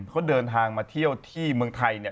เขาเดินทางมาเที่ยวที่เมืองไทยเนี่ย